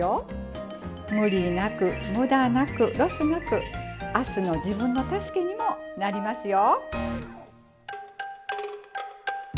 ムリなくムダなくロスなく明日の自分の助けにもなりますよ！